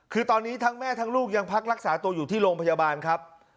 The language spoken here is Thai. คือตอนนี้ทั้งแม่ทั้งลูกยังพักรักษาตัวอยู่ที่โรงพยาบาลครับ